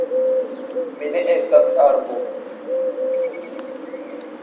Mi ne estas arbo.